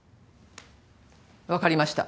わかりました。